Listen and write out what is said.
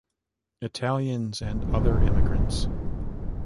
Italians and other immigrants.